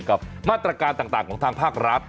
กับมาตรการต่างของทางภาครัฐ